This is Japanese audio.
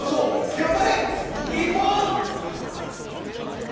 頑張れ日本！